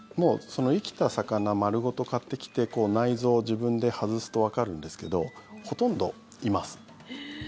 生きた魚丸ごと買ってきて内臓を自分で外すとわかるんですけどほとんどいます。